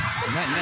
何？